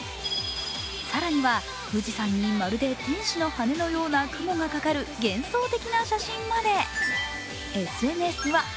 更には、富士山にまるで天使の羽根のような雲がかかる幻想的な写真まで。